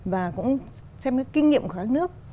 và xem kinh nghiệm của các nước